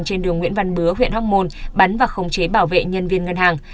trên đường nguyễn văn bứa huyện hóc môn bắn và khống chế bảo vệ nhân viên ngân hàng